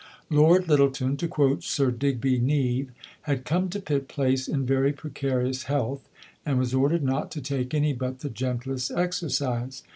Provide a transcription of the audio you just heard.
"Lord Lyttelton," to quote Sir Digby Neave, "had come to Pit Place in very precarious health, and was ordered not to take any but the gentlest exercise.